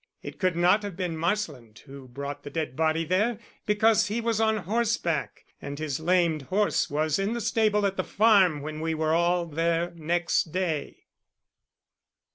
It could not have been Marsland who brought the dead body there, because he was on horseback, and his lamed horse was in the stable at the farm when we were all there next day."